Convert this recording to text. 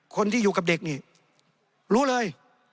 คนที่อยู่กับเด็กนี่รู้เลย